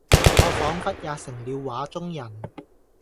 我彷彿也成了畫中人